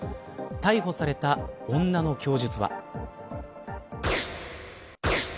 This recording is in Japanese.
逮捕された女の供述は。